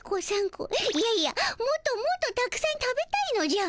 いやいやもっともっとたくさん食べたいのじゃ。